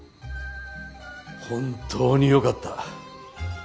本当によかった。